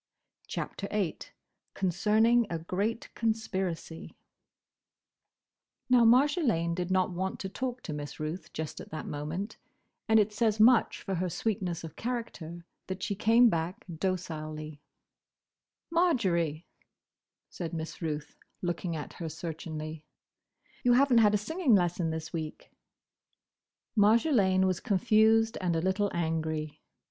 *CHAPTER VIII* *CONCERNING A GREAT CONSPIRACY* [Illustration: Chapter VIII headpiece] Now Marjolaine did not want to talk to Miss Ruth just at that moment, and it says much for her sweetness of character that she came back docilely. "Marjory," said Miss Ruth, looking at her searchingly, "you haven't had a singing lesson this week." Marjolaine was confused, and a little angry.